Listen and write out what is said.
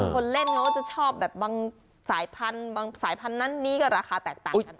คนเล่นเขาก็จะชอบแบบบางสายพันธุ์บางสายพันธุ์นั้นนี้ก็ราคาแตกต่างกัน